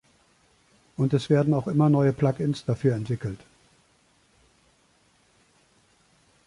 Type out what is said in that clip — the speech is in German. Und es werden auch immer noch Plugins dafür entwickelt.